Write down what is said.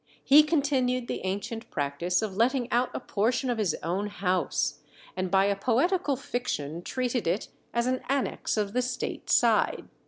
He continued the ancient practice of letting out a portion of his own house, and by a poetical fiction treated it as an annexe of the state side.